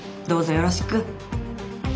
どうぞよろしく。